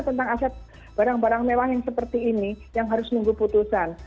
tentang aset barang barang mewah yang seperti ini yang harus menunggu putusan